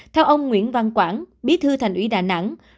theo ông nguyễn văn quảng bí thư thành ủy đà nẵng